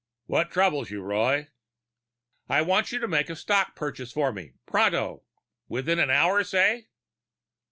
"What troubles you, Roy?" "I want you to make a stock purchase for me, pronto. Within an hour, say?"